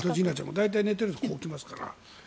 大体、寝ているとここに来ますから。